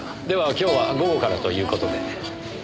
では今日は午後からという事で。